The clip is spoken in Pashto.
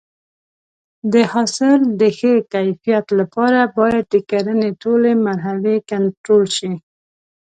د حاصل د ښه کیفیت لپاره باید د کرنې ټولې مرحلې کنټرول شي.